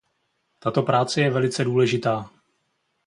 Tato práce je velice důležitá.